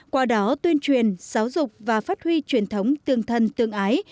qua đó tuyên truyền giáo dục và phát huy truyền thống tương thân tương ái